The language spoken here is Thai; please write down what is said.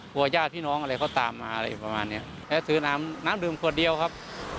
ญาติพี่น้องอะไรเขาตามมาอะไรประมาณเนี้ยแล้วซื้อน้ำน้ำดื่มขวดเดียวครับ